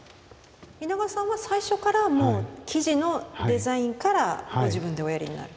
皆川さんは最初からもう生地のデザインからご自分でおやりになると。